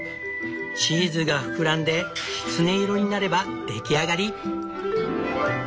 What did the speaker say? チーズが膨らんできつね色になれば出来上がり！